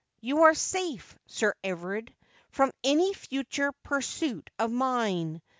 You are safe, Sir Everard, from any future pur suit of mine.